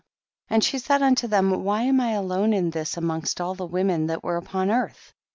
10. And she said unto them, why am I alone in this amongst all the women that were upon earth